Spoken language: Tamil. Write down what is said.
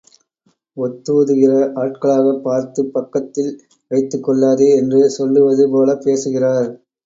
ஒத்தூதுகிற ஆட்களாகப் பார்த்துப் பக்கத்தில் வைத்துக்கொள்ளாதே என்று சொல்லுவதுபோலப் பேசுகிறார்.